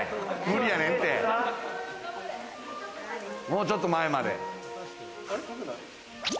もうちょっと前まで。